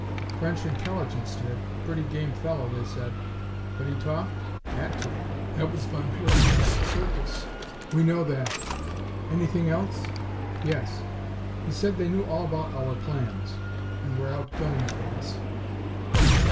"French Intelligence did. Pretty game fellow, they said." "But he talked?" "Had to. That was von Herzmann's Circus." "We know that. Anything else?" "Yes. He said they knew all about our plans, and were out gunning for us."